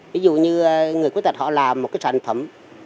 ví dụ như người khuyết tật họ làm một cái sản phẩm